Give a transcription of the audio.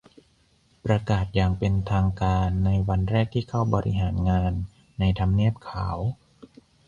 ประกาศอย่างเป็นทางการในวันแรกที่เข้าบริหารงานในทำเนียบขาว